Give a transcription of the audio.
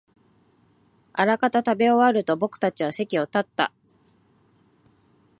あらかた食べ終えると、僕たちは席を立った